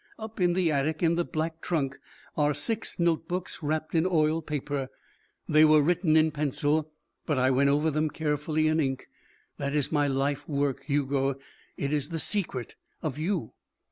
"Up in the attic in the black trunk are six notebooks wrapped in oilpaper. They were written in pencil, but I went over them carefully in ink. That is my life work, Hugo. It is the secret of you.